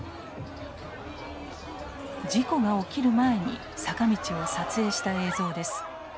事故が起きる前に坂道を撮影した映像です。